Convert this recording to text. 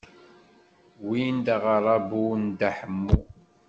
Win d aɣerrabu n Dda Ḥemmu.